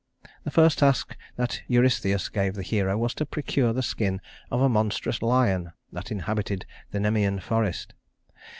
The first task that Eurystheus gave the hero was to procure the skin of a monstrous lion that inhabited the Nemean forest.